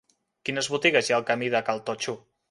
Quines botigues hi ha al camí de Cal Totxo?